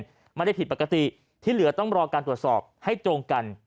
ไม่ได้ผิดปกติที่เหลือต้องรอการตรวจสอบให้ตรงกัน